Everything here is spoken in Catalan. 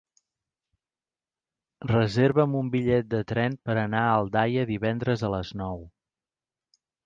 Reserva'm un bitllet de tren per anar a Aldaia divendres a les nou.